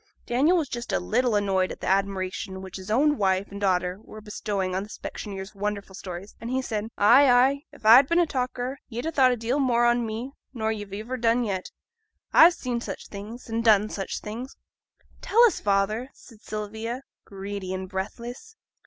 Daniel was just a little annoyed at the admiration which his own wife and daughter were bestowing on the specksioneer's wonderful stories, and he said 'Ay, ay. If a'd been a talker, ye'd ha' thought a deal more on me nor ye've iver done yet. A've seen such things, and done such things.' 'Tell us, father!' said Sylvia, greedy and breathless.